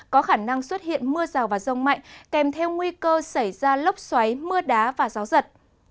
có khả năng xuất hiện mưa rào và rông mạnh kèm theo nguy cơ xảy ra lốc xoáy mưa đá và gió giật